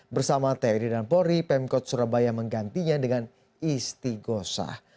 bersama tni dan polri pemkot surabaya menggantinya dengan isti gosah